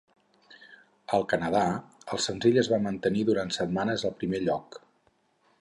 Al Canadà, el senzill es va mantenir durant setmanes al primer lloc.